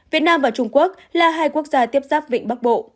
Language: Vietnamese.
việt nam và trung quốc là hai quốc gia tiếp giáp vịnh bắc bộ